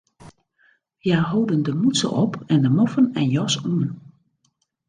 Hja holden de mûtse op en de moffen en jas oan.